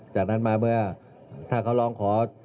จากนั้นมาเมื่อถ้าเขาร้องขอ